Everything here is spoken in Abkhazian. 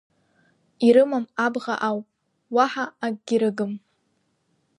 Ирымам абӷа ауп, уаҳа акгьы рыгым.